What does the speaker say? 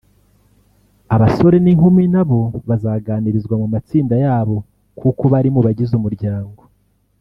abasore n’inkumi nabo bazaganirizwa mu matsinda yabo kuko bari mu bagize umuryango